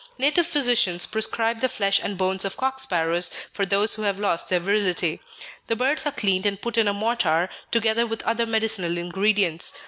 Native physicians prescribe the flesh and bones of cock sparrows for those who have lost their virility. The birds are cleaned, and put in a mortar, together with other medicinal ingredients.